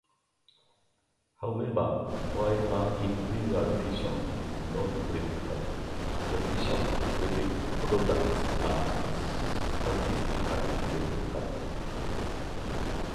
However, while an individual fission is not predictable, the fission products are statistically predictable.